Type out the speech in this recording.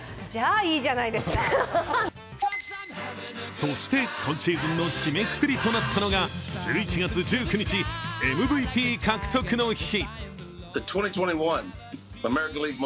そして今シーズンの締めくくりとなったのが１１月１９日、ＭＶＰ獲得の日。